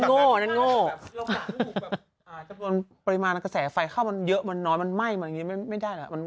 โง่นั้นโง่จำนวนปริมาณกระแสไฟเข้ามันเยอะมันน้อยมันไหม้มันอย่างนี้ไม่ได้นะ